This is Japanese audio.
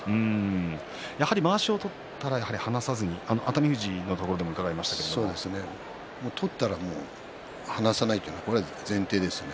やはりまわしを取ったら放さずに熱海富士のところでも取ったら放さないというのが前提ですね。